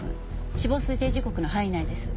死亡推定時刻の範囲内です。